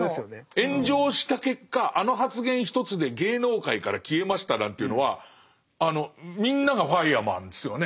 炎上した結果あの発言一つで芸能界から消えましたなんていうのはあのみんながファイアマンですよね。